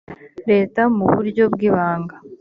leta mu buryo bw ibanga